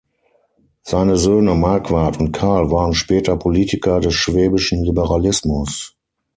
Seine Söhne Marquard und Karl waren später Politiker des schwäbischen Liberalismus.